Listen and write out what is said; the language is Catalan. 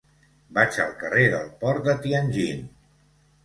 Vaig al carrer del Port de Tianjin.